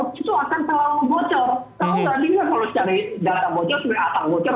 kalau tadi kalau sekali data bocor sudah akan bocor